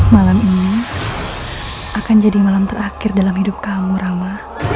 malam ini akan jadi malam terakhir dalam hidup kamu rama